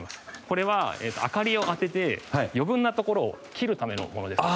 これは明かりを当てて余分なところを切るためのものです。